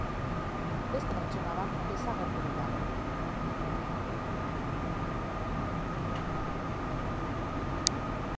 Beste pertsona bat desagerturik dago.